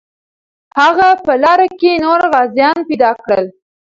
هغه په لاره کې نور غازیان پیدا کړل.